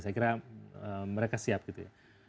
saya kira mereka siap gitu ya